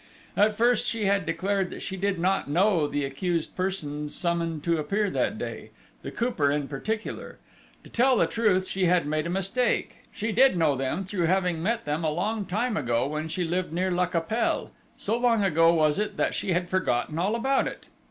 At first, she had declared that she did not know the accused persons summoned to appear that day, the Cooper in particular; to tell the truth, she had made a mistake; she did know them, through having met them a long time ago, when she lived near la Capelle; so long ago was it that she had forgotten all about it!